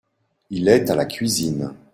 Il est à la cuisine.